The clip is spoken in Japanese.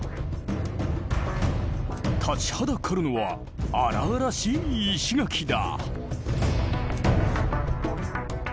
立ちはだかるのは荒々しい石垣だ。